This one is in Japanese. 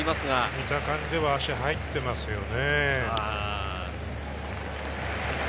見た感じでは足入ってますね。